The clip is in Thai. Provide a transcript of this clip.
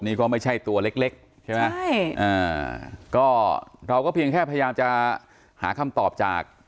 นี่ก็ไม่ใช่ตัวเล็กเล็กใช่ไหมใช่อ่าก็เราก็เพียงแค่พยายามจะหาคำตอบจาก